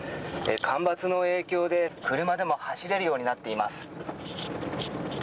干ばつの影響で車でも走れるようになっています。